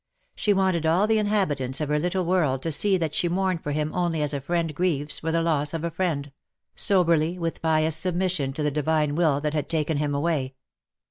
She wanted all the inhabitants of her little world to see that she mourned for him only as a friend grieves for the loss of a friend — soberly, with pious submission to the Divine Will that had taken him away.